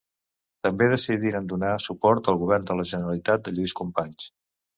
També decidiren donar suport el govern de la Generalitat de Lluís Companys.